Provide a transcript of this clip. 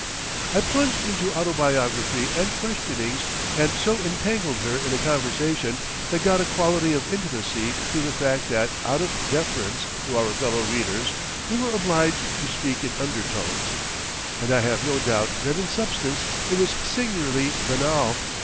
I plunged into autobiography and questionings, and so entangled her in a conversation that got a quality of intimacy through the fact that, out of deference to our fellow readers, we were obliged to speak in undertones. And I have no doubt that in substance it was singularly banal.